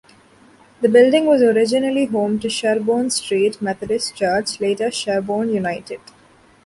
The building was originally home to Sherbourne Street Methodist Church, later Sherbourne United.